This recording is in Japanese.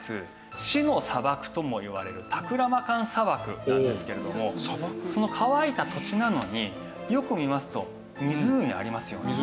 死の砂漠ともいわれるタクラマカン砂漠なんですけれどもその乾いた土地なのによく見ますと湖ありますよね。